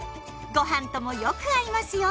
ごはんともよく合いますよ。